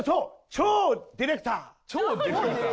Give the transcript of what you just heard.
超ディレクター？